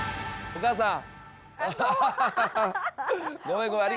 お母さん。